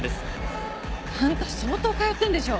あんた相当通ってんでしょ。